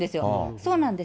そうなんです。